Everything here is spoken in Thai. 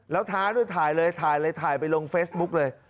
แล้วถ้าถ้าถ้ายังทำเลยถ่ายไปลงเฟสบุ๊คเลย